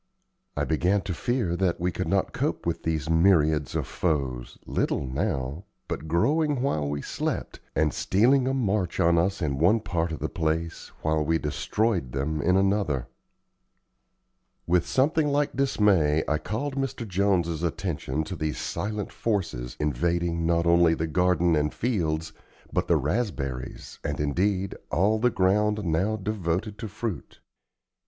I began to fear that we could not cope with these myriads of foes, little now, but growing while we slept, and stealing a march on us in one part of the place while we destroyed them in another. With something like dismay I called Mr. Jones's attention to these silent forces, invading, not only the garden and fields, but the raspberries and, indeed, all the ground now devoted to fruit.